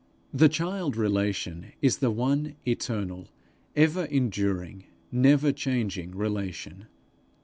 The child relation is the one eternal, ever enduring, never changing relation.